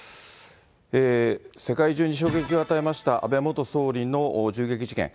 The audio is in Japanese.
世界中に衝撃を与えました安倍元総理の銃撃事件。